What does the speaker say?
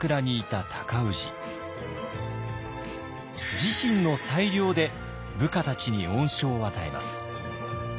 自身の裁量で部下たちに恩賞を与えます。